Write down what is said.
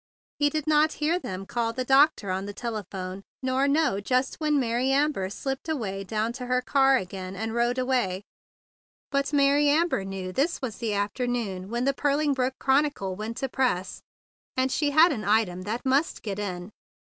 He did not hear them call the doctor on the telephone, nor know just when Mary Amber slipped away down to her car again and rode away. But Mary Amber knew that this was the afternoon when The Purling Brook Chronicle went to press, and she had an item that must get in.